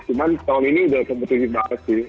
cuma tahun ini sudah kepentingan banget sih